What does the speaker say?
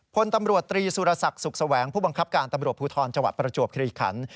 พลตำรวจตรีสุรศักดิ์สุขแสวงผู้บังคับการตำรวจภูทรจังหวัดประจวบคลีขัน